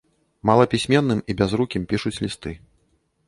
Малапісьменным і бязрукім пішуць лісты.